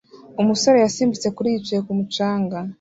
Umusore yasimbutse kuri yicaye kumu canga